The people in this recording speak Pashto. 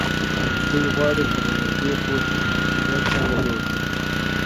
دوی غواړي پر دې پوه شي چې ژوند څنګه جوړ کړي.